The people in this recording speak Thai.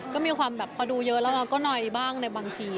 ก็มีความแบบพอดูเยอะแล้วเราก็หน่อยบ้างในบางที